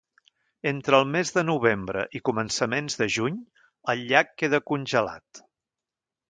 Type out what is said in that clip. Entre el mes de novembre i començaments de juny el llac queda congelat.